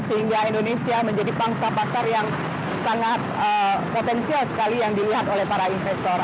sehingga indonesia menjadi pangsa pasar yang sangat potensial sekali yang dilihat oleh para investor